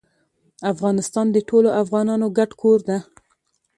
افغانستان د ټولو افغانانو ګډ کور ده.